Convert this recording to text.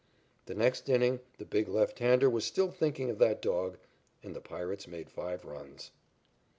The next inning the big left hander was still thinking of that dog, and the Pirates made five runs.